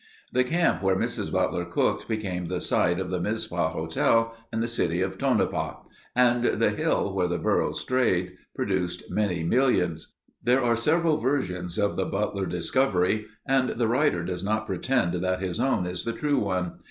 The camp where Mrs. Butler cooked became the site of the Mizpah Hotel and the City of Tonopah and the hill where the burro strayed produced many millions. There are several versions of the Butler discovery and the writer does not pretend that his own is the true one.